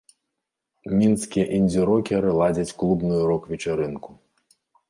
Мінскія індзі-рокеры ладзяць клубную рок-вечарынку.